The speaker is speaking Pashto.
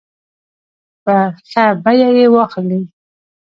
په ښه بیه یې واخلي.